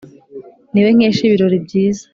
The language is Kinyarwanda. ni we nkesha ibirori byiza